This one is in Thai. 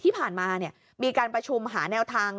ที่ผ่านมามีการประชุมหาแนวทาง